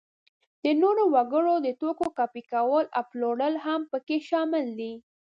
د نورو وګړو د توکو کاپي کول او پلورل هم په کې شامل دي.